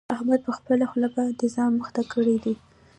احمد په خپله خوله باندې ځان مخته کړی دی.